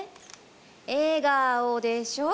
笑顔でしょ？